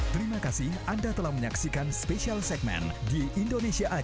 terima kasih anda telah menyaksikan special episode dari desa wisata hijau bilebantik